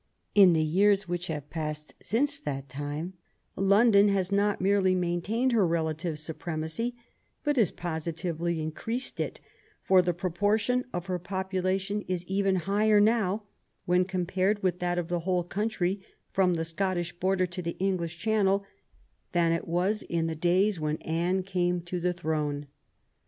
In the years which have passed since that time London has not merely main tained her relative supremacy, but has positively in creased it, for the proportion of her population is even higher now, when compared with that of the whole country from the Scottish border to the English Chan nel, than it was in the days when Anne came to the throne.